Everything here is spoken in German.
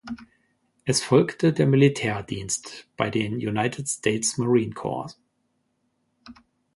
Es folgte der Militärdienst bei den United States Marine Corps.